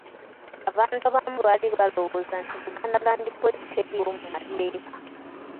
Abantu abamu baali balowooza nti Buganda Land Board teriiwo mu mateeka.